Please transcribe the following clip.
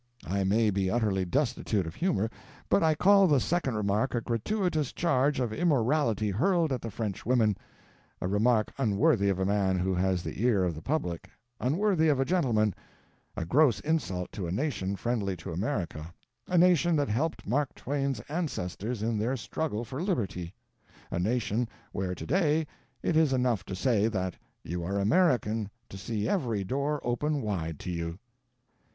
I may be utterly destitute of humor, but I call the second remark a gratuitous charge of immorality hurled at the French women a remark unworthy of a man who has the ear of the public, unworthy of a gentleman, a gross insult to a nation friendly to America, a nation that helped Mark Twain's ancestors in their struggle for liberty, a nation where to day it is enough to say that you are American to see every door open wide to you.